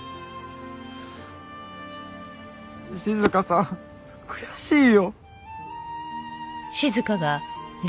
静さん悔しいよ。